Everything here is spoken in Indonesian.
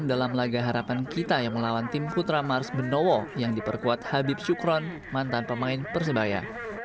dalam laga harapan kita yang melawan tim putra mars benowo yang diperkuat habib syukron mantan pemain persebaya